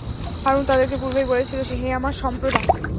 হারূন তাদেরকে পূর্বেই বলেছিল, হে আমার সম্প্রদায়!